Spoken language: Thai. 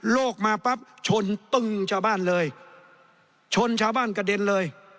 โลกมาปั๊บชนตึงชาวบ้านเลยชนชาวบ้านกระเด็นเลย